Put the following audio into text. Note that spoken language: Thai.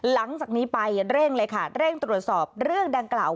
หลังจากนี้ไปเร่งตรวจสอบเรื่องดังกล่าว